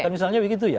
misalnya begitu ya